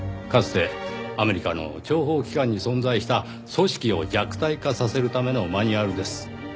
かつてアメリカの諜報機関に存在した組織を弱体化させるためのマニュアルです。